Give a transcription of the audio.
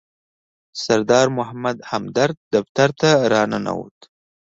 سردار محمد همدرد دفتر ته راننوت.